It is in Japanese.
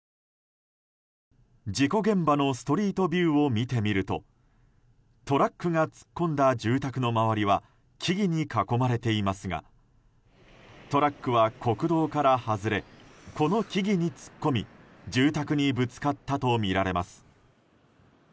事故現場のストリートビューを見てみるとトラックが突っ込んだ住宅の周りは木々に囲まれていますがトラックは国道から外れこの木々に突っ込み住宅にぶつかったとみられます。